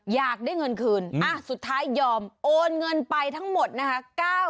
อยากได้เงินคืนสุดท้ายยอมโอนเงินไปทั้งหมดนะคะ